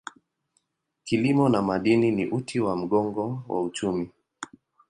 Kilimo na madini ni uti wa mgongo wa uchumi.